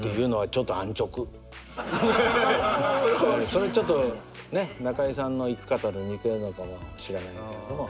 それちょっと中井さんの生き方と似てるのかもしれないけれども。